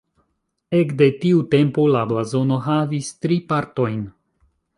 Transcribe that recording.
Ekde tiu tempo la blazono havis tri partojn.